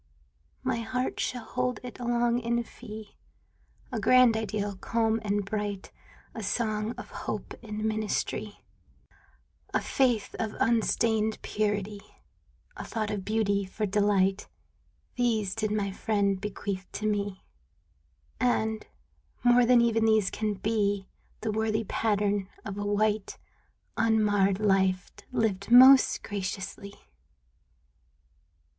My heart shall hold it long in fee — A grand ideal, calm and bright, A song of hope for ministry, A faith of unstained purity, A thought of beauty for delight — These did my friend bequeath to me ; And, more than even these can be, The worthy pattern of a white, Unmarred life lived most graciously.